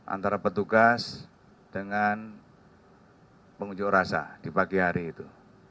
antara petugas dengan pengunjuk rasa di pagi hari itu